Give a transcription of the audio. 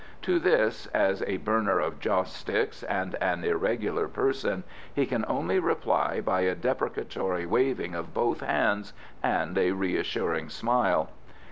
To this, as a burner of joss sticks and an irregular person, he can only reply by a deprecatory waving of both hands and a reassuring smile.